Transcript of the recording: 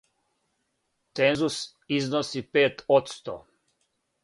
Цензус износи пет одсто.